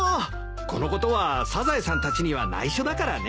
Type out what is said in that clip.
このことはサザエさんたちには内緒だからね。